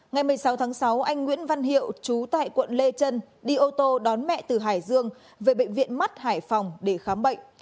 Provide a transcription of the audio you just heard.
ngày một mươi sáu tháng sáu anh nguyễn văn hiệu chú tại quận lê trân đi ô tô đón mẹ từ hải dương về bệnh viện mắt hải phòng để khám bệnh